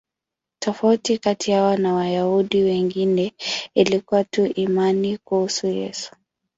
Tofauti kati yao na Wayahudi wengine ilikuwa tu imani kuhusu Yesu.